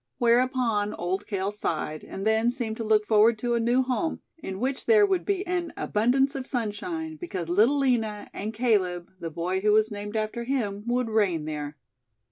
Whereupon Old Cale sighed, and then seemed to look forward to a new home, in which there would be an abundance of sunshine, because Little Lina, and Caleb, the boy who was named after him, would reign there.